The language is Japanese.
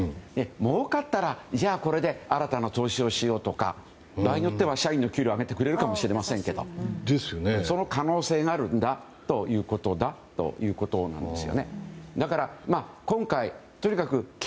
もうかったら、じゃあこれで新たな投資をしようとか場合によっては社員の給料を上げてもらえるかもしれないですけどその可能性があるのだということなんです。